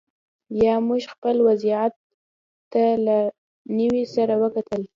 بیا موږ خپل وضعیت ته له نوي سره وکتل